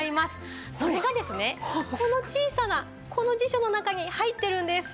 それがですねこの小さなこの辞書の中に入ってるんです。